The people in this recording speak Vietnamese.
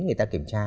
người ta kiểm tra